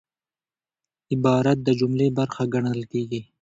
عبارت د جملې برخه ګڼل کېږي.